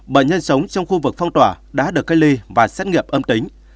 bệnh nhân sống trong khu vực phong tỏa đã được cách ly và xét nghiệm âm tính